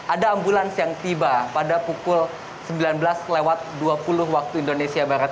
ada ambulans yang tiba pada pukul sembilan belas lewat dua puluh waktu indonesia barat